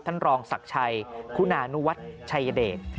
ท่านรองศักดิ์ชัยคุณานุวัฒน์ชัยเดช